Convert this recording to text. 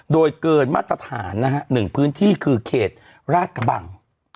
โดยเกินมาตรฐานนะฮะ๑พื้นที่คือเขตราชกระบัง